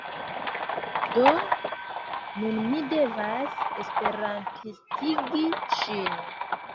Do, nun mi devas esperantistigi ŝin